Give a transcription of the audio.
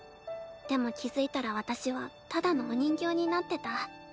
でも気付いたら私はただのお人形になってた。